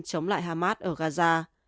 chống lại hamas ở gaza